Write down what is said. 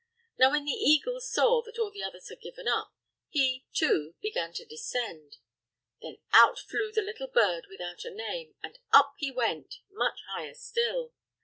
Now, when the eagle saw that all the others had given up, he, too, began to descend. Then out flew the little bird without a name, and up he went, much higher still.